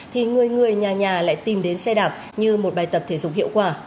thì người người nhà nhà lại tìm đến xe đạp như một bài tập thể dục hiệu quả